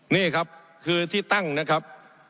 นี่ครับคือที่ตั้งนะครับ